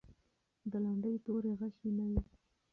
د لنډۍ توري غشی نه و.